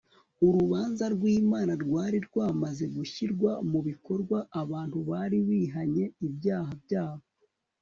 Urubanza rwImana rwari rwamaze gushyirwa mu bikorwa abantu bari bihanye ibyaha byabo